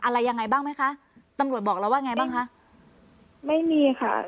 อะไรยังไงบ้างไหมคะตำรวจบอกเราว่าไงบ้างคะไม่มีค่ะ